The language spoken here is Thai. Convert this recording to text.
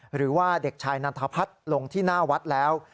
หรือว่าเด็กชายนันทพัฒน์ลงที่หน้าวัดแล้ว